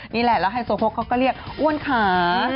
นี่แหละแล้วไฮโซโพกเขาก็เรียกอ้วนขา